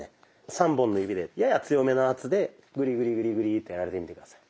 ３本の指でやや強めの圧でグリグリグリグリとやられてみて下さい。